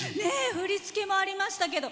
振り付けもありましたけど。